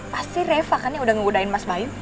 pasti reva kan yang udah ngegodain mas bayu